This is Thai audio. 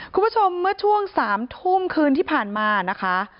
คุณผู้ชมเมื่อช่วง๓ทุ่มคืนที่ผ่านมานะคะ